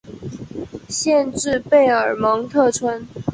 县治贝尔蒙特村。